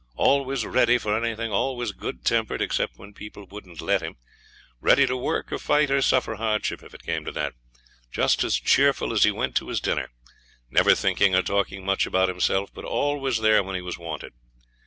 always ready for anything, always good tempered except when people wouldn't let him, ready to work or fight or suffer hardship, if it came to that, just as cheerful as he went to his dinner never thinking or talking much about himself, but always there when he was wanted.